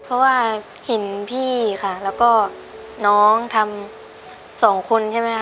เพราะว่าเห็นพี่ค่ะแล้วก็น้องทำสองคนใช่ไหมคะ